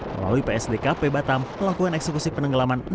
melalui psdkp batam melakukan eksekusi penenggelaman